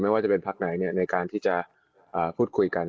ว่าจะเป็นพักไหนในการที่จะพูดคุยกัน